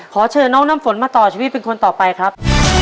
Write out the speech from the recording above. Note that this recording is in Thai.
ขอเชิญน้องน้ำฝนมาต่อชีวิตเป็นคนต่อไปครับ